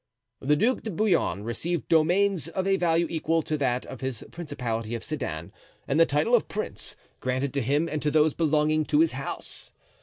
The Duc de Bouillon received domains of a value equal to that of his principality of Sedan, and the title of prince, granted to him and to those belonging to his house.